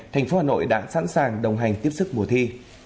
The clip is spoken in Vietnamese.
tp hà nội đã sẵn sàng đồng hành tiếp xúc mùa thi